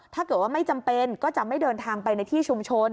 ถ้าเกิดว่าไม่จำเป็นก็จะไม่เดินทางไปในที่ชุมชน